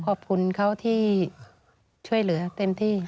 ขอบคุณเขาที่ช่วยเหลือเต็มที่